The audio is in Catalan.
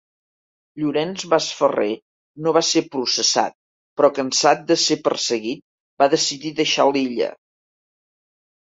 Llorenç Masferrer no va ser processat, però cansat de ser perseguit va decidir deixar l'illa.